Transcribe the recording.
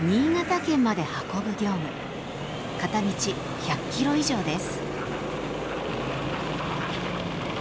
片道１００キロ以上です。